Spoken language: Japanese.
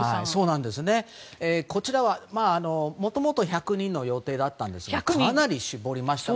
もともとは１００人の予定だったんですがかなり絞りましたね。